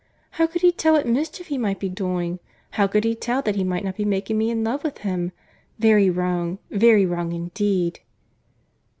—How could he tell what mischief he might be doing?—How could he tell that he might not be making me in love with him?—very wrong, very wrong indeed."